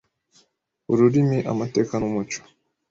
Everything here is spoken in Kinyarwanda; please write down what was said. ururimi, amateka n’umuco.